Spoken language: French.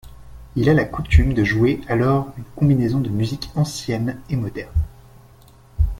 Il a la coutume de jouer alors une combinaison de musiques ancienne et moderne.